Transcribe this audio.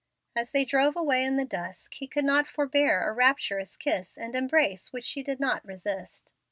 As they drove away in the dusk he could not forbear a rapturous kiss and embrace which she did not resist.